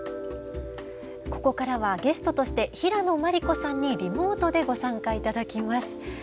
ここからはゲストとして平野真理子さんにリモートでご参加頂きます。